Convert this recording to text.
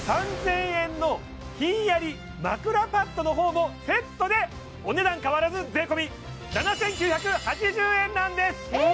３０００円の冷んやり枕パッドの方もセットでお値段変わらず税込７９８０円なんですええ